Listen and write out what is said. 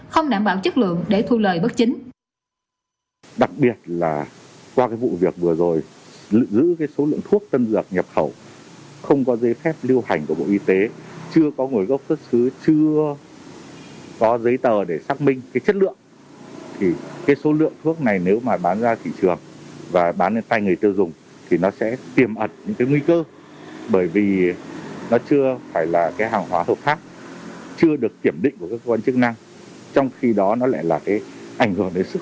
không đảm bảo chất lượng để thu lời bất chính